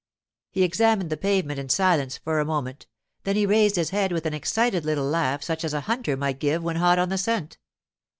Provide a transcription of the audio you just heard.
He examined the pavement in silence a moment, then he raised his head with an excited little laugh such as a hunter might give when hot on the scent.